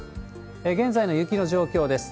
現在の雪の状況です。